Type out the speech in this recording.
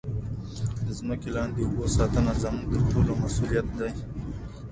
د مځکې لاندې اوبو ساتنه زموږ د ټولو مسؤلیت دی.